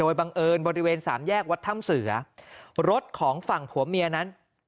บังเอิญบริเวณสามแยกวัดถ้ำเสือรถของฝั่งผัวเมียนั้น